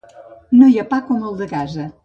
No hi ha pa com el de casa.